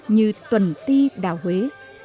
như tuần ti đào huế